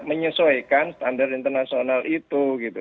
menyesuaikan standar internasional itu